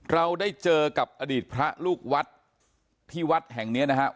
เราได้เจอกับอดีตพระลูกวัดที่วัดแห่งนี้นะครับ